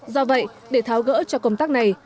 do vậy để tháo gỡ cho công tác này